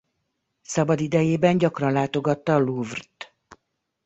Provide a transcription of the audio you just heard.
Szabadidejében gyakran látogatta a Louvre-t.